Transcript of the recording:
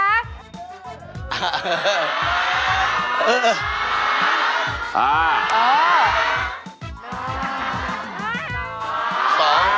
อ้าว